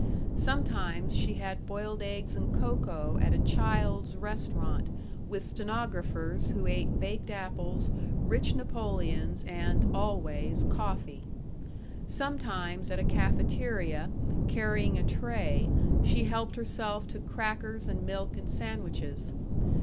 Sometimes she had boiled eggs and cocoa at a Childs restaurant with stenographers who ate baked apples, rich Napoleons, and, always, coffee. Sometimes at a cafeteria, carrying a tray, she helped herself to crackers and milk and sandwiches.